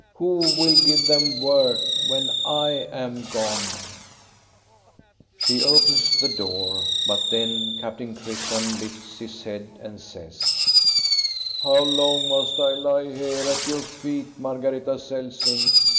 Who will give them work when I am gone ?" She opens the door; but then Captain Christian lifts his head and says: —" How long must I lie here at your feet, Margareta Celsing?